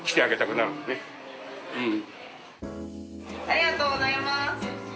ありがとうございます。